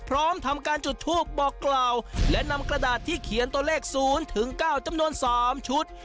พร้อมทำการจุดทูบบอกกล่าวและนำกระดาษที่เขียนตัวเลขศูนย์ถึงเก้าจำนวนสามชุด